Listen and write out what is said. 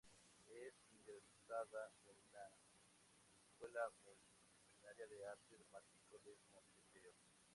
Es egresada de la Escuela Multidisciplinaria de Arte Dramático de Montevideo.